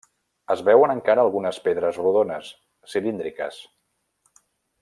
Es veuen encara algunes pedres rodones, cilíndriques.